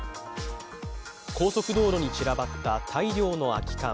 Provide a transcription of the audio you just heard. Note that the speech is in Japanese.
高速道路に散らばった大量の空き缶。